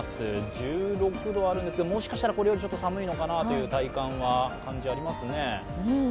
１６度あるんですが、もしかしたらこれより少し寒いのかなという体感がありますね。